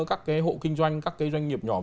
các hộ kinh doanh các doanh nghiệp nhỏ